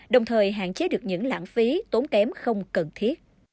đồng thời hạn chế được những lãng phí tốn kém không cần thiết